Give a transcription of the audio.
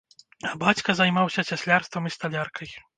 А бацька займаўся цяслярствам і сталяркай.